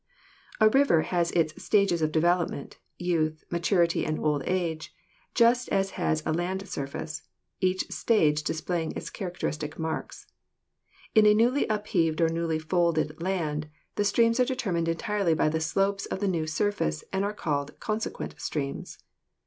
A river has its stages of development, youth, maturity and old age, just as has a land surface, each stage display ing its characteristic marks. In a newly upheaved or newly folded land the streams are determined entirely by the slopes of the new surface and are called consequent streams.